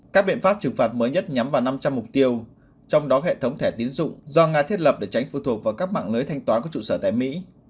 các biện pháp trừng phạt mới nhất nhắm vào năm trăm linh mục tiêu trong đó hệ thống thẻ tiến dụng do nga thiết lập để tránh phụ thuộc vào các mạng lưới thanh toán có trụ sở tại mỹ